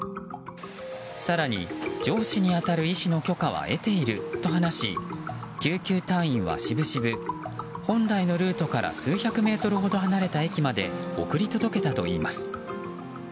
更に上司に当たる医師の許可は得ていると話し救急隊員はしぶしぶ、本来のルートから数百メートルほど離れた駅まで送り届けたといいます。